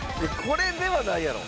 これではないやろ。